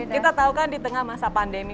kita tahu kan di tengah masa pandemi